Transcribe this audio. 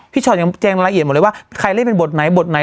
ช็อตยังแจ้งรายละเอียดหมดเลยว่าใครเล่นเป็นบทไหนบทไหน